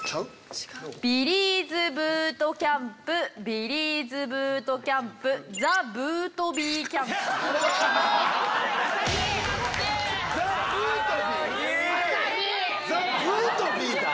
「ビリーズブートキャンプ」「ビリーズブートキャンプ」「ザブートビーキャンプ」「ザブートビー」だ！？